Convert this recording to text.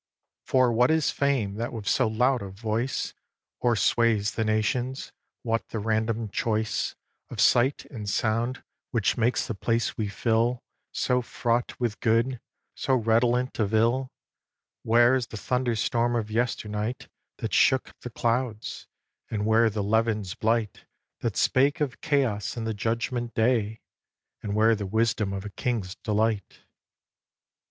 For what is fame that with so loud a voice O'ersways the nations? What the random choice Of sight and sound which makes the place we fill So fraught with good, so redolent of ill? Where is the thunderstorm of yesternight That shook the clouds? And where the levin's blight That spake of chaos and the Judgment Day? And where the wisdom of a king's delight?